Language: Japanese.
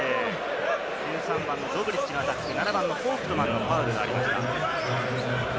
１３番ドブリッチのアタック、７番フォウクトマンのファウルがありました。